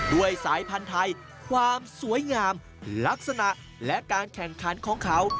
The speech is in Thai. ด้วยสายพันธุ์ไทยความสวยงามลักษณะและการแข่งขันของเขา